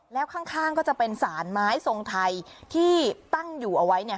แล้วข้างก็จะเป็นสารไม้ทรงไทยที่ตั้งอยู่เอาไว้เนี่ย